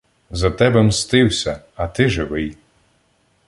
За тебе мстився, а ти — живий.